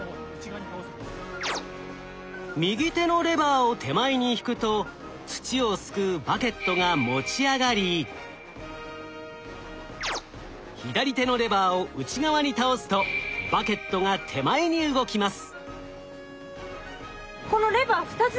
右手のレバーを手前に引くと土をすくうバケットが持ち上がり左手のレバーを内側に倒すとバケットが手前に動きます。